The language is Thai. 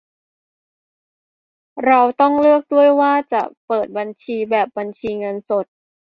เราต้องเลือกด้วยว่าจะเปิดบัญชีแบบบัญชีเงินสด